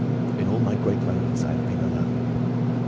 In all my great moments I have been alone.